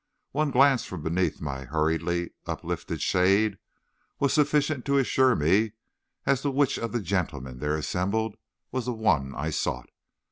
One glance from beneath my hurriedly uplifted shade was sufficient to assure me as to which of the gentlemen there assembled was the one I sought.